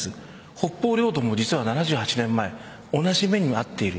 北方領土も７８年前同じ目に遭っている。